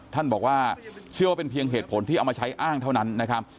ท่านบอกว่าเชื่อว่าเป็นเพียงเหตุผลที่เอามาใช้อ้างเท่านั้นนะครับ